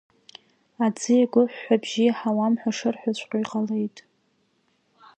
Аӡы иаго ҳәҳәабжьы иаҳауам ҳәа шырҳәаҵәҟьо иҟалеит.